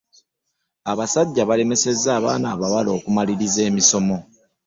abasajja balemeseza avaana abawala okumaliriza emisomo